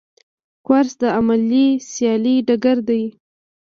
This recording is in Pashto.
کورس د علمي سیالۍ ډګر دی.